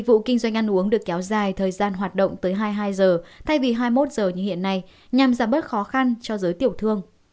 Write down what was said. vụ kinh doanh ăn uống được kéo dài thời gian hoạt động tới hai mươi hai giờ thay vì hai mươi một giờ như hiện nay nhằm giảm bớt khó khăn cho giới tiểu thương